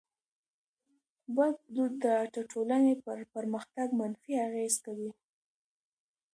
بد دود د ټټولني پر پرمختګ منفي اغېز کوي.